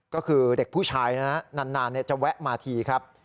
ก็คือเด็กผู้ชายนะนานจะแวะมาทีครับ